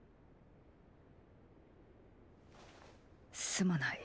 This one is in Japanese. すまない。